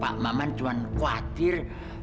pak maman cuma kuatir